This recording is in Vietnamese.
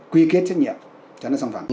quy kết trách nhiệm cho nó sẵn sàng